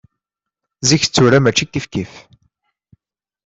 Zik d tura mačči kif kif.